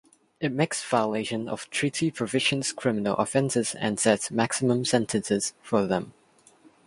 It makes violations of treaty provisions criminal offences and sets maximum sentences for them.